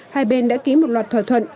hai bên đã ký một loạt thỏa thuận